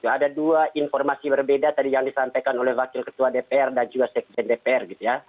ada dua informasi berbeda tadi yang disampaikan oleh wakil ketua dpr dan juga sekjen dpr gitu ya